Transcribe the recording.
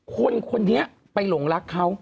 คนคนนี้ไปหลงรักเขา